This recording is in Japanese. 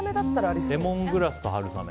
レモングラスと春雨。